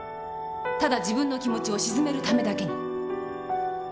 ただ自分の気持ちを静めるためだけに！